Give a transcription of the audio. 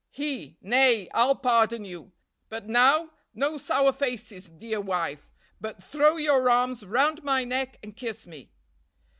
"He. 'Nay, I'll pardon you. But now, no sour faces, dear wife, but throw your arms round my neck and kiss me.'